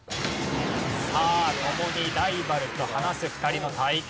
さあ共にライバルと話す２人の対決。